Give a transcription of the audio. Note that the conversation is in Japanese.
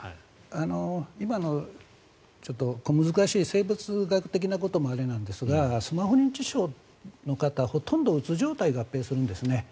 今のちょっと小難しい生物学的なこともあれですがスマホ認知症の方、ほとんどうつ状態を合併するんですね。